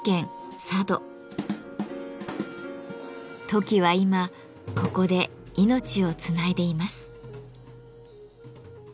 トキは今ここで命をつないでいます。